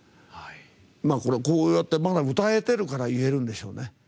こうやって、まだ歌えてるから言えるんでしょうね。